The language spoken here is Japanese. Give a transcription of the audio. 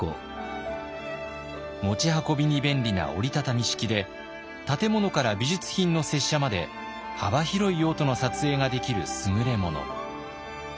持ち運びに便利な折り畳み式で建物から美術品の接写まで幅広い用途の撮影ができる優れ物。